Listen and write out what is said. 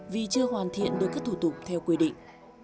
vì chưa hoàn thiện được các thủ tục theo quy định